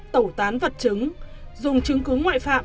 tẩu tán vật chứng dùng chứng cứu ngoại phạm